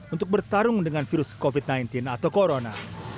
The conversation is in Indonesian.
untuk bertarung dengan virus covid sembilan belas atau corona